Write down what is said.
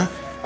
satu dua tiga